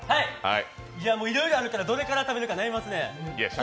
いろいろあるからどれから食べるか悩みますね。